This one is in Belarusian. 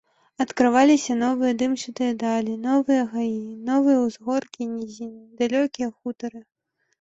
Адкрываліся новыя дымчатыя далі, новыя гаі, новыя ўзгоркі і нізіны, далёкія хутары.